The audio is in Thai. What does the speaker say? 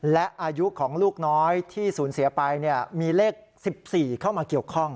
และอายุของลูกน้อยที่สูญเสียไปมีเลข๑๔เข้ามาเกี่ยวข้อง